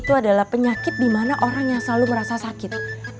itu adalah penyakit di mana orang yang selalu merasa sakit